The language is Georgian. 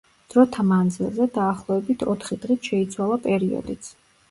დროთა მანძილზე, დაახლოებით ოთხი დღით შეიცვალა პერიოდიც.